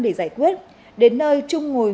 để giải quyết đến nơi trung ngồi